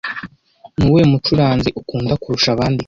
Ni uwuhe mucuranzi ukunda kurusha abandi